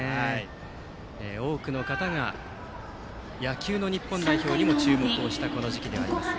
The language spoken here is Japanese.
多くの方が野球の日本代表にも注目をしたこの時期です。